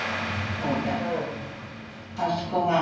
そうだ。